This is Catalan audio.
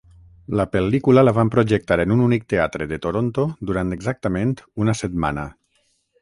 La pel·lícula la van projectar en un únic teatre de Toronto durant exactament una setmana.